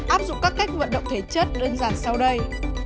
áp dụng các cách vận động thể chất đơn giản sau đây